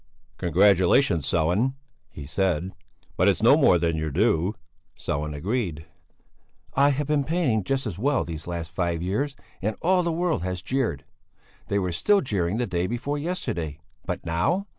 "Congratulations, Sellén!" he said, "but it's no more than your due." Sellén agreed. "I have been painting just as well these last five years and all the world has jeered; they were still jeering the day before yesterday, but now!